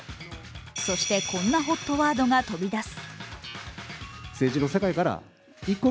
そして、こんなＨＯＴワードが飛び出す。